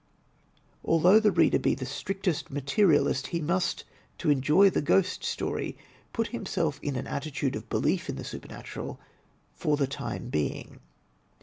Although the reader be the strictest materialist, he must, to enjoy a ghost story, put himself in an attitude of belief in the supernatural for the time being.